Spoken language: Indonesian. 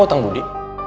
lo utang gudi